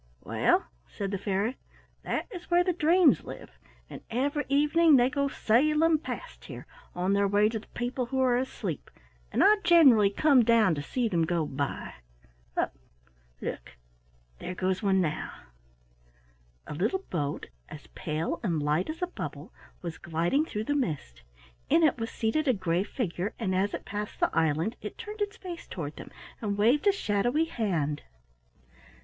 "Well," said the fairy, "that is where the dreams live, and every evening they go sailing past here, on their way to the people who are asleep, and I generally come down to see them go by. Look! look! There goes one now." A little boat, as pale and light as a bubble, was gliding through the mist; in it was seated a gray figure, and as it passed the island it turned its face toward them and waved a shadowy hand.